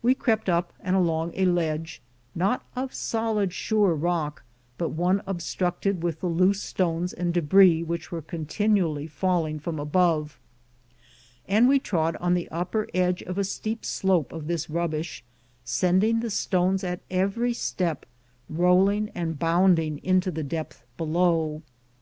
We crept up and along a ledge, not of solid, sure rock, but one obstructed with the loose stones and debris which were continually falling from above, and we trod on the upper edge of a steep slope of this rubbish, sending the stones at every step rolling and bounding into the depth below.